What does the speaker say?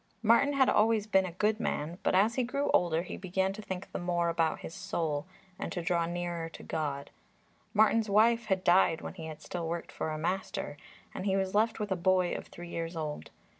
Martin had always been a good man, but as he grew older he began to think the more about his soul and to draw nearer to God. Martin's wife had died when he had still worked for a master, and he was left with a boy of three years old.